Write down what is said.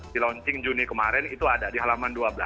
di launching juni kemarin itu ada di halaman dua belas